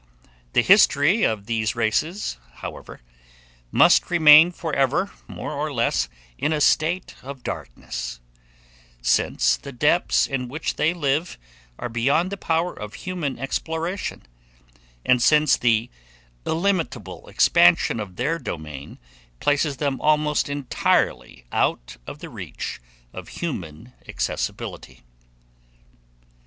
The history of these races, however, must remain for ever, more or less, in a state of darkness, since the depths in which they live, are beyond the power of human exploration, and since the illimitable expansion of their domain places them almost entirely out of the reach of human accessibility.